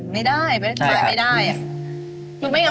ไม่ได้ไม่ได้